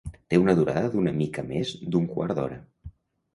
Té una durada d’una mica més d’un quart d’hora.